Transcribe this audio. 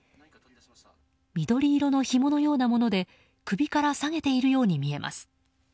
緑色のひものようなもので首から提げているように見えます。